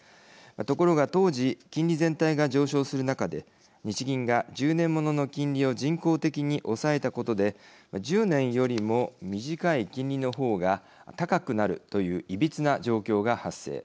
ところが、当時金利全体が上昇する中で日銀が１０年ものの金利を人工的に抑えたことで１０年よりも短い金利の方が高くなるといういびつな状況が発生。